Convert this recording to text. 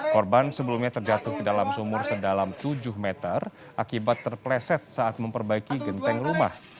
korban sebelumnya terjatuh ke dalam sumur sedalam tujuh meter akibat terpleset saat memperbaiki genteng rumah